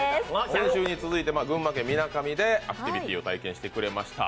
先週に続いて群馬県・みかなみでアクティビティーを体験してくれました。